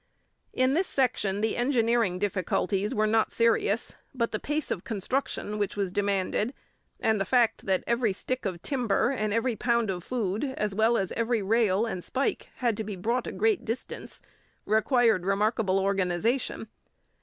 In this section the engineering difficulties were not serious, but the pace of construction which was demanded, and the fact that every stick of timber and every pound of food, as well as every rail and spike, had to be brought a great distance, required remarkable organization.